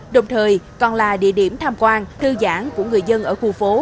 đồng thời còn là địa điểm tham quan thư giãn của người dân ở khu phố